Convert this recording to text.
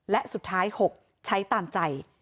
และสุดท้าย๖ใช้ตามใจ